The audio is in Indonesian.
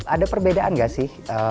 ada perbedaan nggak sih